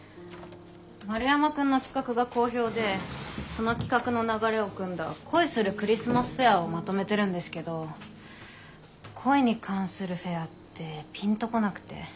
丸山くんの企画が好評でその企画の流れをくんだ「恋するクリスマスフェア」をまとめてるんですけど恋に関するフェアってピンと来なくて。